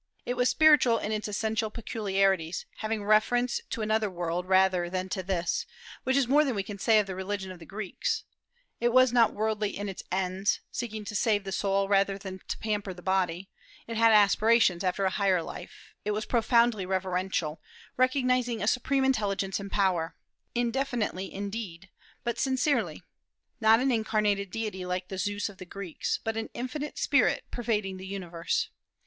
It was spiritual in its essential peculiarities, having reference to another world rather than to this, which is more than we can say of the religion of the Greeks; it was not worldly in its ends, seeking to save the soul rather than to pamper the body; it had aspirations after a higher life; it was profoundly reverential, recognizing a supreme intelligence and power, indefinitely indeed, but sincerely, not an incarnated deity like the Zeus of the Greeks, but an infinite Spirit, pervading the universe.